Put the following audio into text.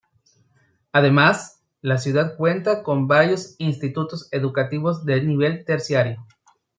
Además la ciudad cuenta con varios institutos educativos de nivel terciario.